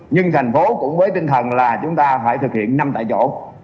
nhưng thành phố cũng với tinh thần là chúng ta phải thực hiện năm tại chỗ